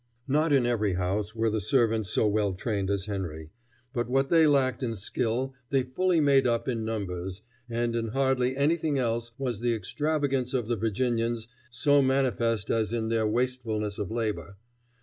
Not in every house were the servants so well trained as Henry, but what they lacked in skill they fully made up in numbers, and in hardly anything else was the extravagance of the Virginians so manifest as in their wastefulness of labor.